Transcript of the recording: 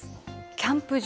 キャンプ場